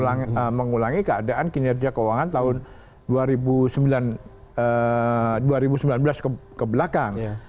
hal ini sudah mengulangi keadaan kinerja keuangan tahun dua ribu sembilan belas kebelakang